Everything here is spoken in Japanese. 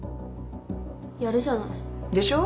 やるじゃない。でしょう？